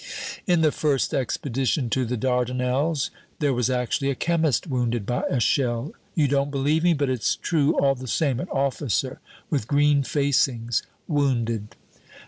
"In the first expedition to the Dardanelles, there was actually a chemist wounded by a shell. You don't believe me, but it's true all the same an officer with green facings, wounded!"